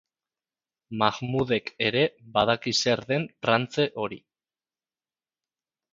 Mahmudek ere badaki zer den trantze hori.